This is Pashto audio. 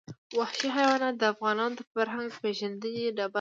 وحشي حیوانات د افغانانو د فرهنګي پیژندنې برخه ده.